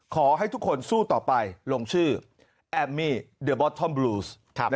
ขอให้ทุกคนสู้ต่อไปลงชื่อแอมมี่เดอร์บอทอมบลูส